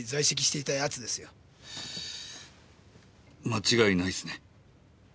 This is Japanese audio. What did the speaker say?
間違いないっすね。